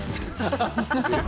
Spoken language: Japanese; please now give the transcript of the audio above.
ハハハハ！